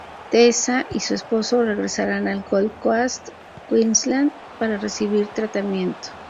Tessa y su esposo regresarán a Gold Coast, Queensland para recibir tratamiento.